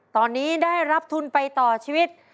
ตอนนี้ได้รับทุนไปต่อชีวิต